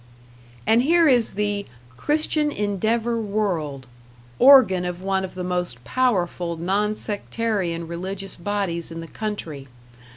And here is the "Christian Endeavor World", organ of one of the most powerful non sectarian religious bodies in the country.